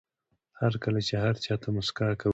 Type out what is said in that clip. هر کله چې هر چا ته موسکا کوئ.